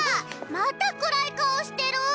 また暗い顔してる！